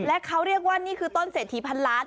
และเขาเรียกว่านี่คือต้นเศรษฐีพันล้าน